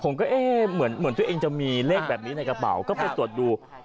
ผมก็เอ๊ะเหมือนตัวเองจะมีเลขแบบนี้ในกระเป๋าก็ไปตรวจดู